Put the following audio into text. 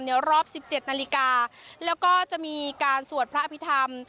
รอบ๑๗นาฬิกาแล้วก็จะมีการสวดพระอภิษฐรรม